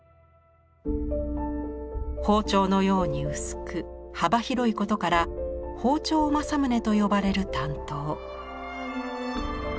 包丁のように薄く幅広いことから「庖丁正宗」と呼ばれる短刀。